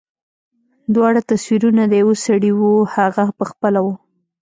دواړه تصويرونه د يوه سړي وو هغه پخپله و.